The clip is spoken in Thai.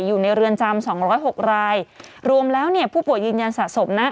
อยู่ในเรือนจำสองร้อยหกรายรวมแล้วเนี่ยผู้ป่วยยืนยันสะสมนะ